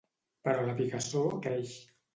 Però la picassor creix.